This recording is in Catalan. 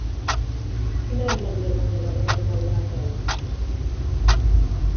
Quina és la millor manera d'anar a Maldà a peu?